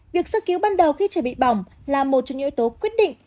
việc sơ cứu ban đầu khi trẻ bị bỏng là một trong những yếu tố quyết định